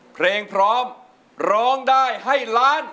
เพลงพร้อมร้องได้ให้ล้าน